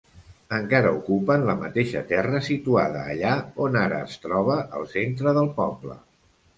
Encara ocupen la mateixa terra situada allà on ara es troba el centre del poble.